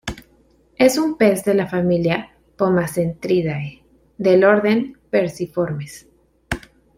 Es un pez de la familia Pomacentridae del orden Perciformes.